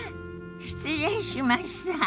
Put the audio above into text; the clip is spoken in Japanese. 失礼しました。